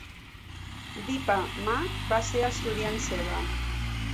Dipa Ma va ser estudiant seva.